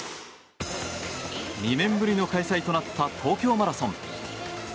２年ぶりの開催となった東京マラソン。